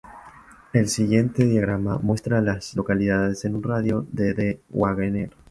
El siguiente diagrama muestra a las localidades en un radio de de Wagener.